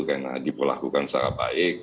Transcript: karena diperlakukan secara baik